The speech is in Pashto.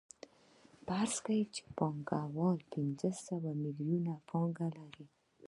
فرض کړئ یو پانګوال پنځه سوه میلیونه پانګه لري